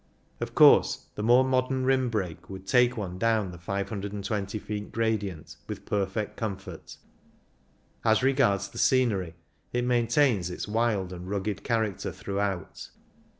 Of course the more modern rim brake would take one down the 524 feet gradient with perfect comfort. As r^ards the scenery, it main tains its wild and rugged character through out.